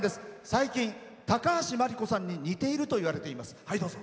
最近、高橋真梨子さんに似てるといわれます。